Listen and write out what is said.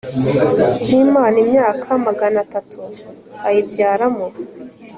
n Imana imyaka magana atatu ayibyaramo